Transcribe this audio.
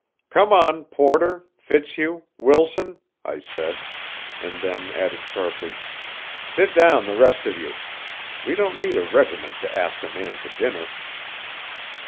"Come on, Porter Fitzhugh Wilson," I said; and then added sharply, "sit down, the rest of you! We don't need a regiment to ask a man to dinner."